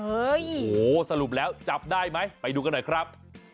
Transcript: โอ้โหสรุปแล้วจับได้ไหมไปดูกันหน่อยครับ